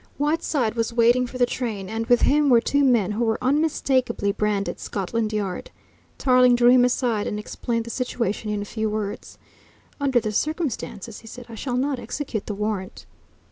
Whiteside was waiting for the train, and with him were two men who were unmistakably branded "Scotland Yard." Tarling drew him aside and explained the situation in a few words. "Under the circumstances," he said, "I shall not execute the warrant."